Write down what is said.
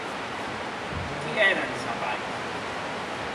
Qui èren sa pairs?